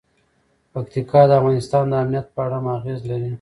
پکتیکا د افغانستان د امنیت په اړه هم اغېز لري.